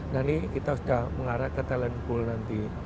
nah ini kita sudah mengarah ke talent bool nanti